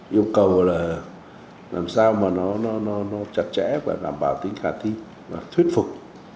yêu cầu là làm sao mà nó chặt chẽ và đảm bảo tính khả thi và thuyết phục